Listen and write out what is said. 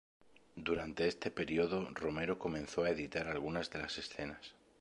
Durante este periodo Romero comenzó a editar algunas de las escenas.